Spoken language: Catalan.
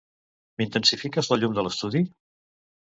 M'intensifiques la llum de l'estudi?